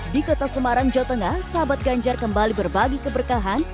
di kota semarang jawa tengah sahabat ganjar kembali berbagi keberkahan